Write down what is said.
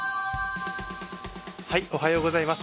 おはようございます。